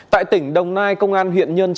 tại tỉnh đồng nai công an huyện nhân thái